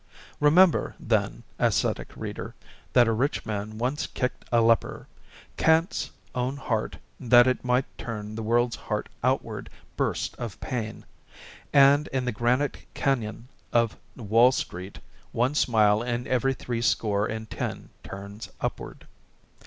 Remember, then, ascetic reader, that a rich man once kicked a leper; Kant's own heart, that it might turn the world's heart outward, burst of pain; and in the granite cañon of Wall Street, one smile in every three score and ten turns upward.